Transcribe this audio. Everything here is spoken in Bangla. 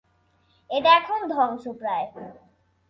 এটা এখন ধ্বংসপ্রায়।